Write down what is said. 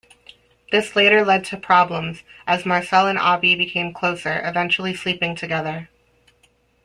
This later led to problems, as Marcel and Abi became closer, eventually sleeping together.